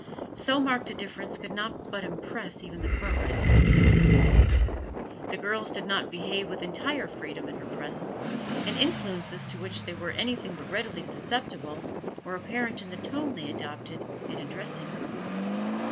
So marked a difference could not but impress even the Cartwrights themselves; the girls did not behave with entire freedom in her presence, and influences to which they were anything but readily susceptible were apparent in the tone they adopted in addressing her.